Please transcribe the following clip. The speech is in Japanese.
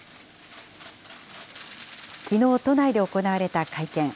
きのう、都内で行われた会見。